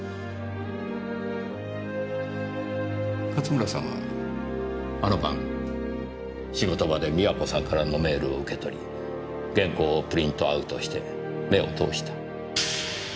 勝村さんはあの晩仕事場で美和子さんからのメールを受け取り原稿をプリントアウトして目を通した。